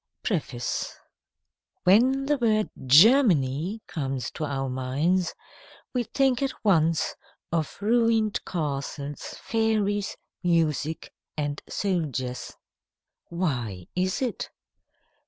Preface WHEN the word Germany comes to our minds, we think at once of ruined castles, fairies, music, and soldiers. Why is it?